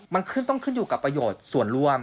มันขึ้นต้องขึ้นอยู่กับประโยชน์ส่วนร่วม